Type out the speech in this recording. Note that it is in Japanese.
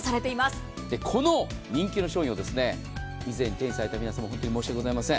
この人気の商品を以前、手にされた皆様本当にすみません。